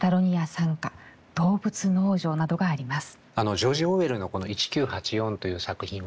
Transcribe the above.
ジョージ・オーウェルのこの「１９８４」という作品はですね